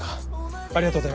ありがとうございます！